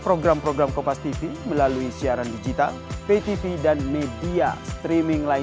pada saat pelimpahan mereka merubahnya seolah olah